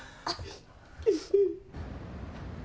あ。